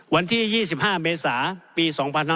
วันที่๒๕เมษาปี๒๕๖๒